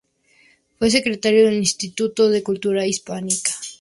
Fue secretario del Instituto de Cultura Hispánica.